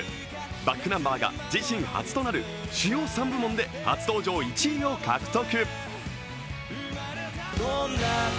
ｂａｃｋｎｕｍｂｅｒが自身初となる主要３部門で初登場１位を獲得。